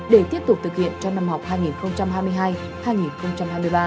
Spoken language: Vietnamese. để tiếp tục thực hiện cho năm học hai nghìn hai mươi hai hai nghìn hai mươi ba